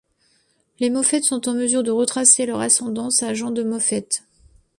Les Moffett sont en mesure de retracer leur ascendance à Jean de Mophet.